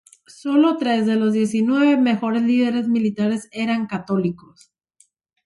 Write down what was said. Solo tres de los diecinueve mejores líderes militares eran católicos.